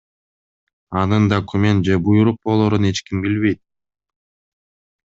Анын документ же буйрук болорун эч ким билбейт.